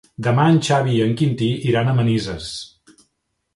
Demà en Xavi i en Quintí iran a Manises.